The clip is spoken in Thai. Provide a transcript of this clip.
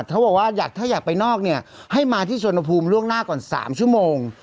เขาบอกว่าอยากถ้าอยากไปนอกเนี่ยให้มาที่สวนภูมิล่วงหน้าก่อน๓ชั่วโมง